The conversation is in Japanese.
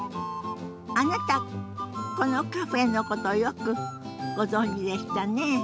あなたこのカフェのことよくご存じでしたね。